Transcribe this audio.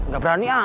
gak berani ah